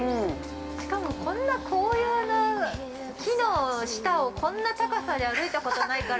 しかも、紅葉の木の下をこんな高さで歩いたことないから。